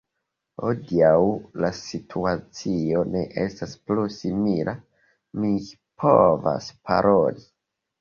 Hodiaŭ la situacio ne estas plu simila: mi povas paroli.